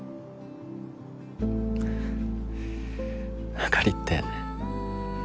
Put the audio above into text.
あかりって